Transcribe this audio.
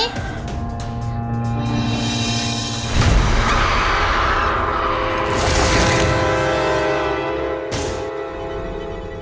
kau bisa ada disini